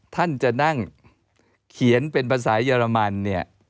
ท่านจะนั่งเขียนเป็นภาษาเยอรมันเนี่ย